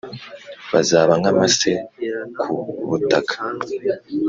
Bazaba nk amase ku butaka